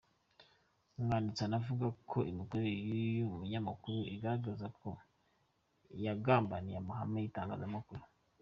Umwanditsi anavuga ko imikorere y’uyu munyamakuru igaragaza ko yagambaniye amahame y’itangazamakuru.